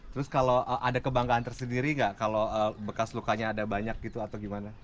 terus kalau ada kebanggaan tersendiri nggak kalau bekas lukanya ada banyak gitu atau gimana